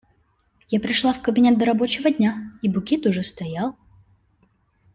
Я пришла в кабинет до рабочего дня, и букет уже стоял.